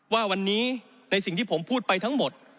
ว่าวันนี้ในสิ่งที่ผมพูดไปทั้งหมด